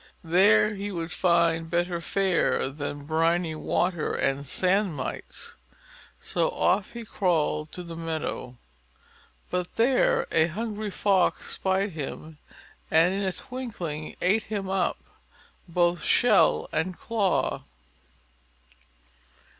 There he would find better fare than briny water and sand mites. So off he crawled to the meadow. But there a hungry Fox spied him, and in a twinkling, ate him up, both shell and claw.